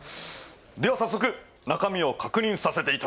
では早速中身を確認させていただきます！